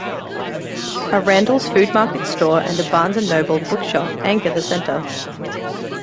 A Randall's Food Markets store and a Barnes and Noble bookshop anchor the center.